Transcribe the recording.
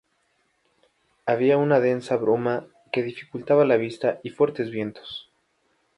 Había una densa bruma que dificultaba la vista y fuertes vientos.